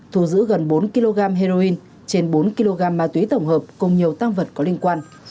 thu giữ gần bốn kg heroin trên bốn kg ma túy tổng hợp cùng nhiều tăng vật có liên quan